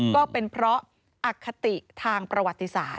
ก็เป็นเพราะอคติทางประวัติศาสต